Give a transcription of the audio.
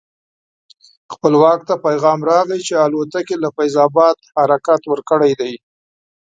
خپلواک ته پیغام راغی چې الوتکې له فیض اباد حرکت ورکړی دی.